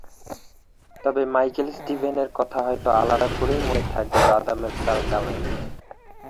তবে মাইকেল স্টিভেনের কথা হয়তো আলাদা করেই মনে থাকবে রাদামেল ফ্যালকাওয়ের।